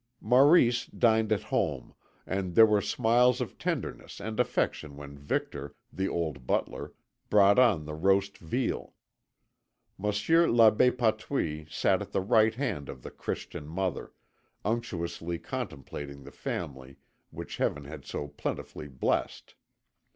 Maurice dined at home, and there were smiles of tenderness and affection when Victor, the old butler, brought on the roast veal. Monsieur l'Abbé Patouille sat at the right hand of the Christian mother, unctuously contemplating the family which Heaven had so plentifully blessed.